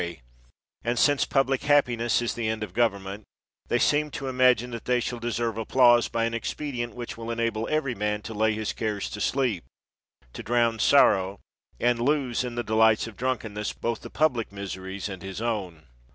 167 THE WORLD'S FAMOUS ORATIONS and, since public happiness is the end of govern ment, they seem to imagine that they shall de serve applause by an expedient which will en able every man to lay his cares to sleep, to drown sorrow, and lose in the delights of drunkenness both the public miseries and his own.